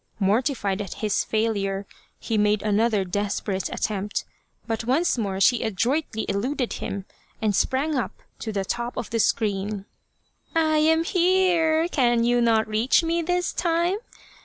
Mortified at his failure, he made another desperate attempt, but once more she adroitly eluded him, and sprang up to the top of the screen. '' I am here ! Can you not reach me this time